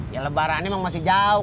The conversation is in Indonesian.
ya lebaran emang masih jauh